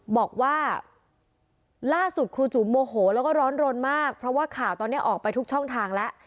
บอกว่าล่าสุดครูจุ๋มโมโหแล้วก็ร้อนรนมากเพราะว่าข่าวตอนนี้ออกไปทุกช่องทางแล้ว